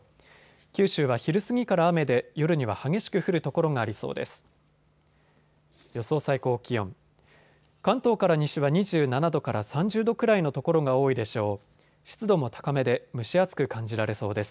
九州は昼過ぎから雨で夜には激しく降る所がありそうです。